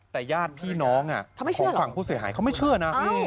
แต่ญาติพี่น้องของฝั่งผู้เสียหายเขาไม่เชื่อนะ